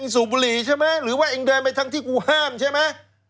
สูบบุหรี่ใช่ไหมหรือว่าเองเดินไปทั้งที่กูห้ามใช่ไหม